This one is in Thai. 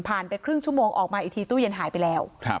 ไปครึ่งชั่วโมงออกมาอีกทีตู้เย็นหายไปแล้ว